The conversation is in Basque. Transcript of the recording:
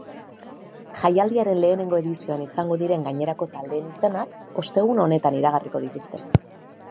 Jaialdiaren lehenengo edizioan izango diren gainerako taldeen izenak ostegun honetan iragarriko dituzte.